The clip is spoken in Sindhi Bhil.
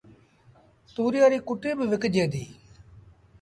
تُوريئي ريٚ ڪُٽيٚ با وڪجي ديٚ